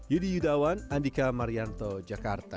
yudi yudawan andika marianto jakarta